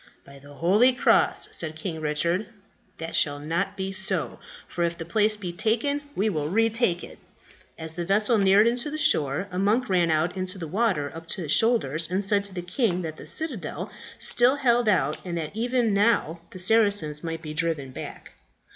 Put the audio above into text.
"By the holy cross," said King Richard, "that shall not be so; for if the place be taken, we will retake it." As the vessel neared the shore a monk ran out into the water up to his shoulders, and said to the king that the citadel still held out, and that even now the Saracens might be driven back.